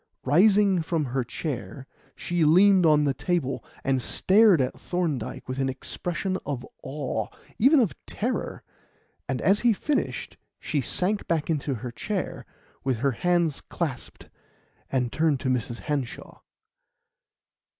Rising from her chair, she leaned on the table and stared at Thorndyke with an expression of awe even of terror; and as he finished she sank back into her chair, with her hands clasped, and turned to Mrs. Hanshaw.